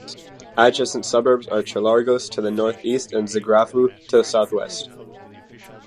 Adjacent suburbs are Cholargos to the northeast and Zografou to the southwest.